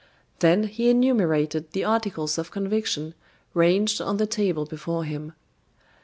Then he enumerated the articles of conviction ranged on the table before him.